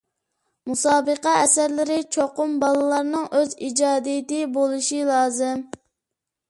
مۇسابىقە ئەسەرلىرى چوقۇم بالىلارنىڭ ئۆز ئىجادىيىتى بولۇشى لازىم.